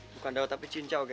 bukan dawat tapi cincau ken